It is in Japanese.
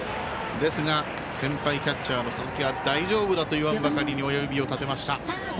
ですが、先輩キャッチャーの佐々木は大丈夫だといわんばかりに親指を立てました。